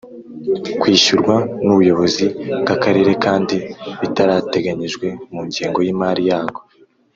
kwishyurwa n ubuyobozi bw Akarere kandi bitarateganyijwe mu ngengo y imari yako